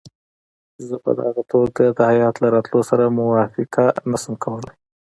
زه په دغه توګه د هیات له راتلو سره موافقه نه شم کولای.